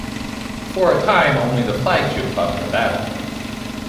For a time only the flagship fought in the battle.